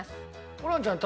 ホランちゃん